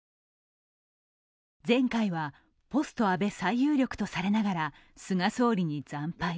前回は、ポスト安倍最有力とされながら菅総理に惨敗。